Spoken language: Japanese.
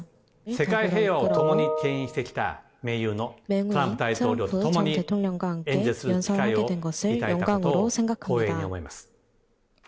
世界平和をともにけん引してきた盟友のトランプ大統領と共に演説機会を頂いたことを光栄に思います。